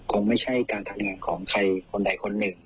คงไม่ใช่การทำงานของใครคนใดคนหนึ่ง